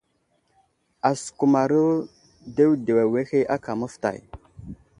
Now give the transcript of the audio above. Asəkumaro ɗeɗew awehe aka məfətay.